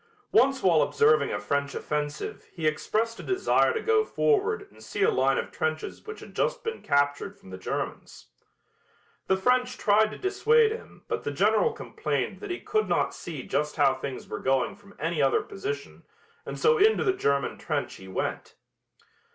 Once while observing a French offensive he expressed a desire to go forward and see a line of trenches which had just been captured from the Germans. The French tried to dissuade him but the General complained that he could not see just how things were going from any other position and so into the German trench he went.